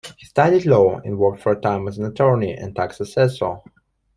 He studied law and worked for a time as an attorney and tax assessor.